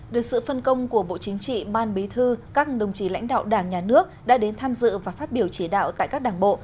được sự phân công của bộ chính trị ban bí thư các đồng chí lãnh đạo đảng nhà nước đã đến tham dự và phát biểu chỉ đạo tại các đảng bộ